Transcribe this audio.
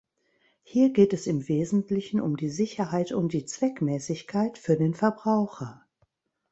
Hier geht es im Wesentlichen um die Sicherheit und die Zweckmäßigkeit für den Verbraucher.